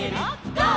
ゴー！」